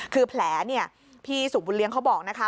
คือแผลเนี่ยพี่สุบุญเลี้ยงเขาบอกนะคะ